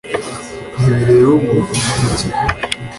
ntibireba umuntu ku giti cye.